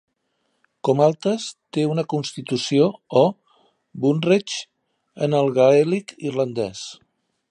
Comhaltas té una constitució o "Bunreacht" en el gaèlic irlandès.